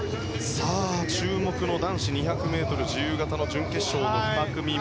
注目の男子２００ｍ自由形準決勝の２組目。